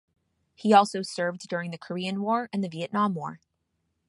He also served during the Korean War and the Vietnam War.